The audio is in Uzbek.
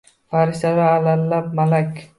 Farishtalar allalab, malak —